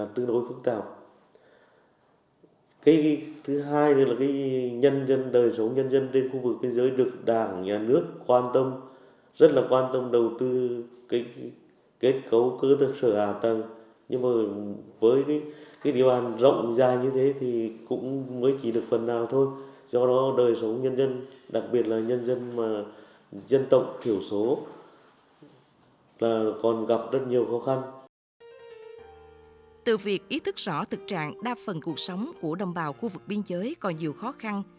từ việc ý thức rõ thực trạng đa phần cuộc sống của đồng bào khu vực biên giới còn nhiều khó khăn